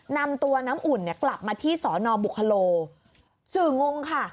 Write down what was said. นำตัวน้ำอุ่นเนี่ยกลับมาที่สอนอบุคโลสื่องงค่ะ